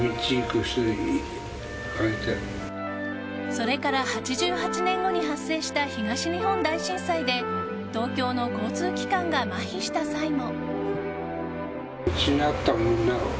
それから８８年後に発生した東日本大震災で東京の交通機関がまひした際も。